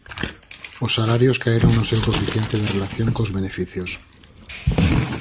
Os salarios caeron no seu coeficiente de relación cos beneficios.